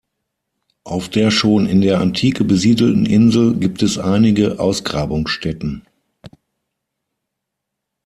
Auf der schon in der Antike besiedelten Insel gibt es einige Ausgrabungsstätten.